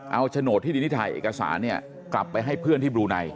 เอาโฉนดที่ดินที่ถ่ายเอกสารเนี่ยกลับไปให้เพื่อนที่บลูไน